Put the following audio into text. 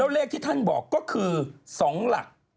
เลขที่ท่านบอกก็คือ๒หลัก